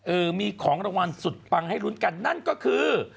เออมีของรางวัลสุดปังให้ลุ้นกันนั่นก็คือ